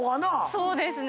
そうですね。